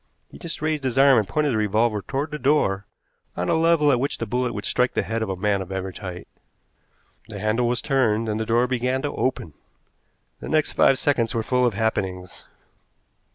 He just raised his arm and pointed the revolver toward the door, on a level at which the bullet would strike the head of a man of average height. The handle was turned, and the door began to open. The next five seconds were full of happenings.